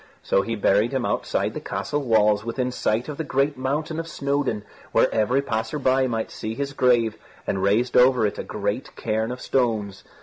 So he buried him outside the castle walls within sight of the great mountain of Snowdon, where every passer by might see his grave, and raised over it a great cairn of stones.